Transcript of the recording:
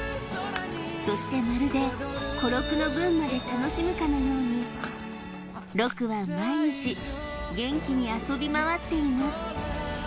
そしてまるで小六の分まで楽しむかのように六は毎日元気に遊び回っています